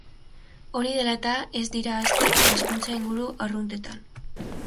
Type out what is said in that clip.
Hori dela eta, ez dira hazten hazkuntza-inguru arruntetan.